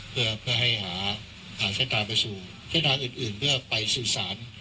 เพื่อให้หาอ่าท่านทางไปสู่ท่านทางอื่นอื่นเพื่อไปสื่อสาร